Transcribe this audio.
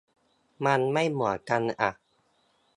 มันไม่เหมือนกันอ่ะ